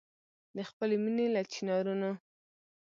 د خپلي مېني له چنارونو